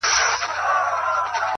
ما وېشلي هر یوه ته اقلیمونه،